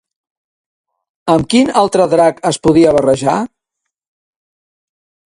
Amb quin altre drac es podia barrejar?